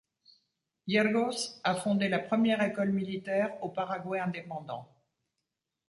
Yergos a fondé la première école militaire au Paraguay indépendant.